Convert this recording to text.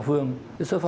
điện tập sáu